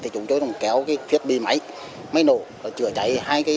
chúng tôi cũng kéo thiết bị máy nổ chữa cháy